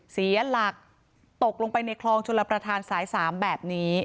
เสียหลักตกลงไปในคลองชลประธานสาย๓แบบนี้